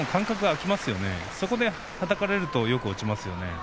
あそこではたかれるとよく落ちますよね。